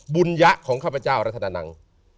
บุญยะของข้าพเจ้าราธนนัง